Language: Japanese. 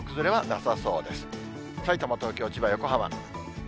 さいたま、東京、千葉、横浜。